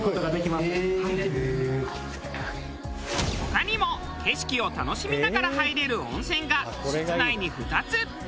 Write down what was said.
他にも景色を楽しみながら入れる温泉が室内に２つ。